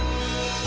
oh ya allah